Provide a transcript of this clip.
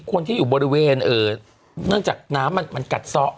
คนที่อยู่บริเวณเนื่องจากน้ำมันกัดซ้อ